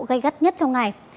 gây gắt nhất trong ngày